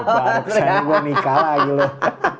oh ya baru pesannya gue nikah lagi loh